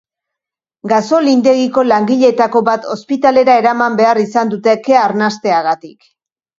Gasolindegiko langileetako bat ospitalera eraman behar izan dute kea arnasteagatik.